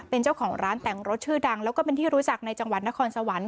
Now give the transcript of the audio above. เป็นเจ้าของร้านแต่งรถชื่อดังแล้วก็เป็นที่รู้จักในจังหวัดนครสวรรค์